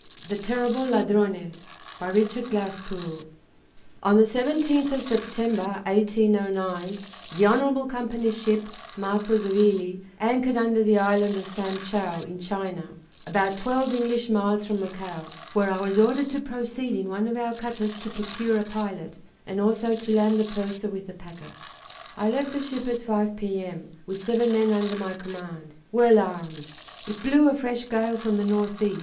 THE TERRIBLE LADRONES RICHARD GLASSPOOLE On the 17th of September, 1809, the Honorable Company's ship Marquis of Ely anchored under the Island of Sam Chow, in China, about twelve English miles from Macao, where I was ordered to proceed in one of our cutters to procure a pilot, and also to land the purser with the packet. I left the ship at 5 P.M. with seven men under my command, well armed. It blew a fresh gale from the N. E.